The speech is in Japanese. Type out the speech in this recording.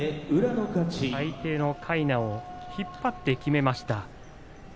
相手のかいなを引っ張ってきめました。